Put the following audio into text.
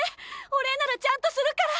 お礼ならちゃんとするから！